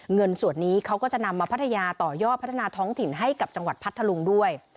เงินส่วนนี้เขาก็จะนำมาพัทยาต่อยอดพัฒนาท้องถิ่นให้กับจังหวัดพัทธลุงด้วย